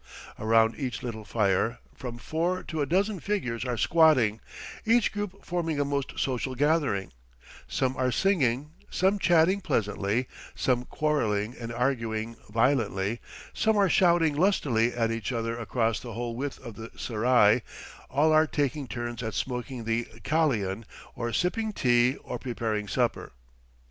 Around each little fire, from four to a dozen figures are squatting, each group forming a most social gathering; some are singing, some chatting pleasantly, some quarrelling and arguing violently; some are shouting lustily at each other across the whole width of the serai; all are taking turns at smoking the kalian or sipping tea, or preparing supper.